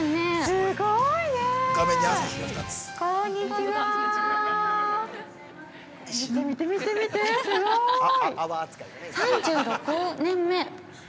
すごい。◆３６年目。